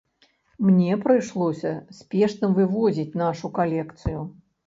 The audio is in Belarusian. Мне прыйшлося спешна вывозіць нашу калекцыю.